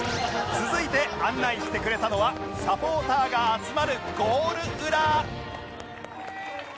続いて案内してくれたのはサポーターが集まるゴール裏